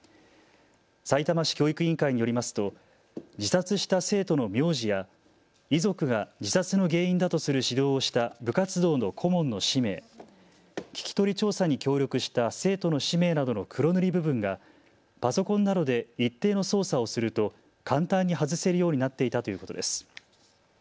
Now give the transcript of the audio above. さいたま市教育委員会によりますと自殺した生徒の名字や遺族が自殺の原因だとする指導をした部活動の顧問の氏名、聞き取り調査に協力した生徒の氏名などの黒塗り部分がパソコンなどで一定の操作をすると簡単に外せるようになっていたということです。